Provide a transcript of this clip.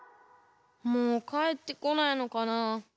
もうかえってこないのかなあ。